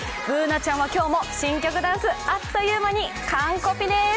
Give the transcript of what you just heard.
Ｂｏｏｎａちゃんは今日も新曲ダンス、あっという間に完コピです。